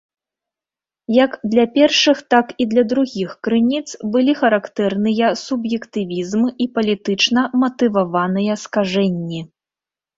Як для першых, так і другіх крыніц былі характэрныя суб'ектывізм і палітычна матываваныя скажэнні.